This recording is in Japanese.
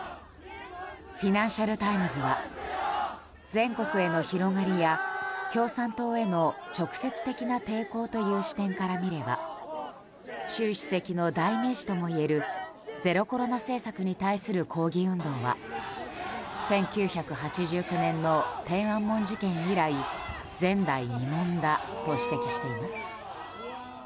フィナンシャル・タイムズは全国への広がりや共産党への直接的な抵抗という視点から見れば習主席の代名詞ともいえるゼロコロナ政策に対する抗議運動は１９８９年の天安門事件以来前代未聞だと指摘しています。